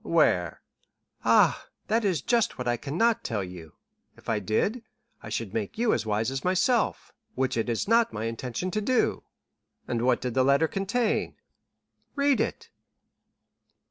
"Where?" "Ah, that is just what I cannot tell you; if I did, I should make you as wise as myself, which it is not my intention to do." "And what did the letter contain?" "Read it."